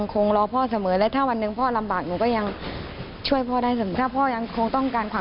ก็คือตัดเจรนมไม่ใช่ญาติเรา